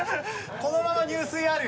このまま入水あるよ。